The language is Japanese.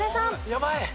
やばい！